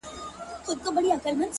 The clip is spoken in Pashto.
نوره گډا مه كوه مړ به مي كړې ـ